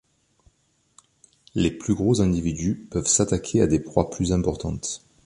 Les plus gros individus peuvent s'attaquer à des proies plus importantes.